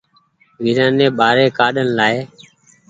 ويرآ ني ٻآري ڪآڏين لآئي